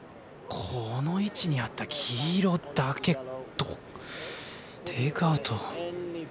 この位置にあった黄色だけテイクアウト。